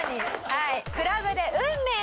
はい。